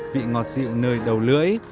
vị ngọt dịu nơi đầu lưỡi